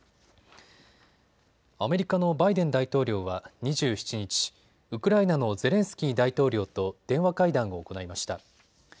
アメリカのバイデン大統領は２７日ウクライナのゼレンスキー大統領と電話会談を行いました。